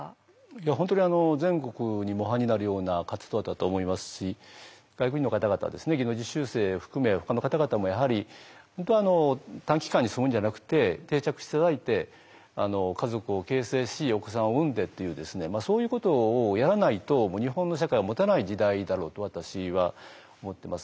いや本当に全国に模範になるような活動だと思いますし外国人の方々はですね技能実習生含めほかの方々もやはり本当は短期間に住むんじゃなくて定着して頂いて家族を形成しお子さんを産んでというそういうことをやらないと日本の社会はもたない時代だろうと私は思ってます。